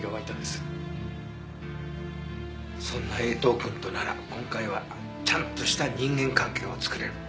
そんな江藤くんとなら今回はちゃんとした人間関係を作れる。